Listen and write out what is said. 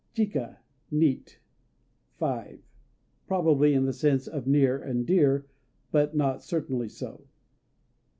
Chika ("Near") 5 Probably in the sense of "near and dear" but not certainly so.